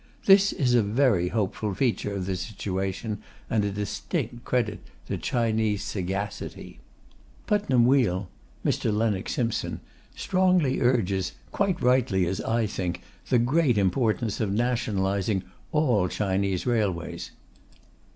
This is a very hopeful feature of the situation, and a distinct credit to Chinese sagacity. Putnam Weale (Mr. Lennox Simpson) strongly urges quite rightly, as I think the great importance of nationalizing all Chinese railways.